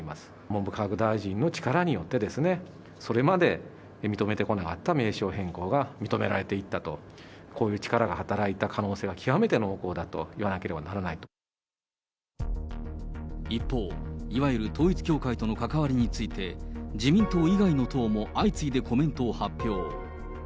文部科学大臣の力によって、それまで認めてこなかった名称変更が認められていったと、こういう力が働いた可能性は極めて濃厚だと言わなければならない一方、いわゆる統一教会との関わりについて、自民党以外の党も相次いでコメントを発表。